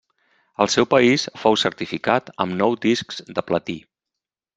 Al seu país fou certificat amb nou discs de platí.